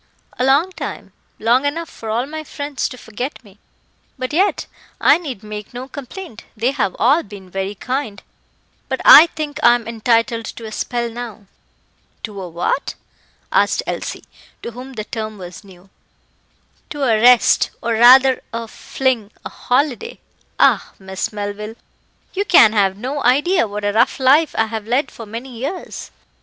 "A long time long enough for all my friends to forget me. But yet I need make no complaint; they have all been very kind; but I think I am entitled to a spell now." "To a what?" asked Elsie, to whom the term was new. "To a rest, or rather a fling a holiday. Ah! Miss Melville, you can have no idea what a rough life I have led for many years.